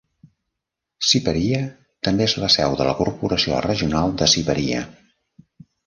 Siparia també és la seu de la Corporació Regional de Siparia.